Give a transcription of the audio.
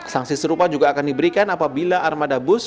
sanksi serupa juga akan diberikan apabila armada bus